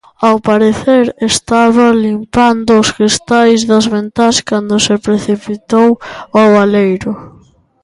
Ao parecer estaba limpando os cristais das ventás cando se precipitou ao baleiro.